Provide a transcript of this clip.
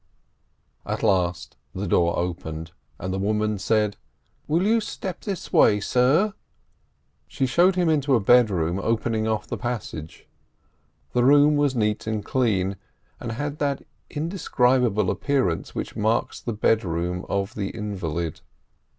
At last the door opened, and the woman said: "Will you step this way, sir?" She showed him into a bedroom opening off the passage. The room was neat and clean, and had that indescribable appearance which marks the bedroom of the invalid.